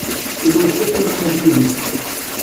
Yella yessefk ad neqqim yid-k.